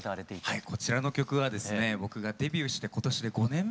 はい。